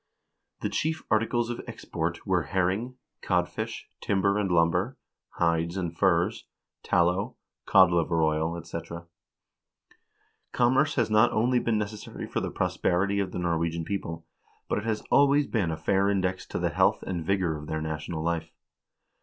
x The chief articles of export were herring, codfish, timber and lumber, hides and furs, tallow, codliver oil, etc. Commerce has not only been necessary for the prosperity of the Norwegian people, but it has always been a fair index to the health and vigor of their national life.